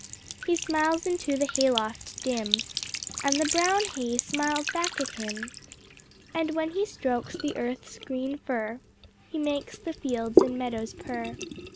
He smiles into the Hayloft dim And the brown Hay smiles back at him, And when he strokes the Earth's green fur He makes the Fields and Meadows purr.